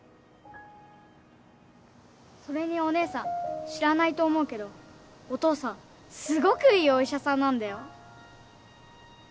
それにおねえさん知らないと思うけどお父さんすごくいいお医者さんなんだよ。